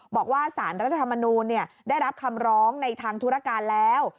บอกว่าสารรัฐธรรมนูลได้รับคำร้องในทางธุรการแล้ว